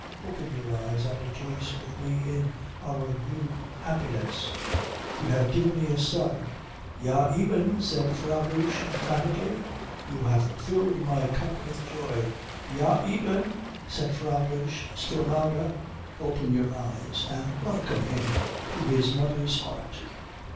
Open your eyes and rejoice with me in our new happiness. You have given me a son." "Ja eben," said Frau Dosch emphatically. "You have filled my cup with joy." "Ja eben," said Frau Dosch, still louder. "Open your eyes, and welcome him to his mother's heart."